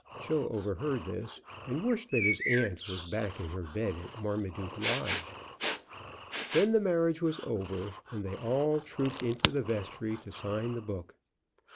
Joe overheard this, and wished that his aunt was back in her bed at Marmaduke Lodge. Then the marriage was over, and they all trooped into the vestry to sign the book.